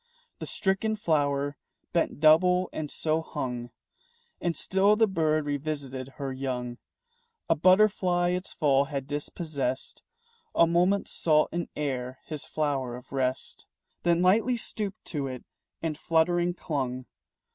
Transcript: The stricken flower bent double and so hung. And still the bird revisited her young. A butterfly its fall had dispossessed A moment sought in air his flower of rest, Then lightly stooped to it and fluttering clung.